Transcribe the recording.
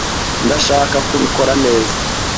Ndashaka kubikora neza.